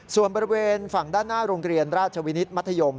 ส่วนบริเวณฝั่งด้านหน้าโรงเรียนราชวินิตมัธยม